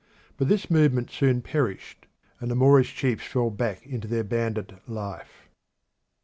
But this movement soon perished, and the Moorish chiefs fell back into their bandit life.